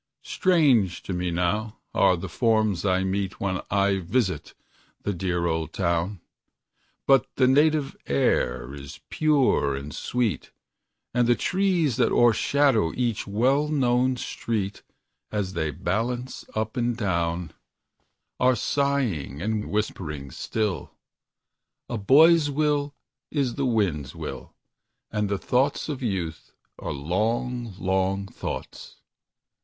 Strange to me now are the forms I meet When I visit the dear old town; But the native air is pure and sweet, And the trees that o'ershadow each well known street, As they balance up and down, Are singing the beautiful song, Are sighing and whispering still: "A boy's will is the wind's will, And the thoughts of youth are long, long thoughts."